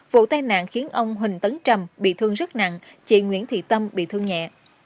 vụ tai nạn khiến ông huỳnh tấn trầm bị thương rất nặng chị nguyễn thị tâm bị thương nhẹ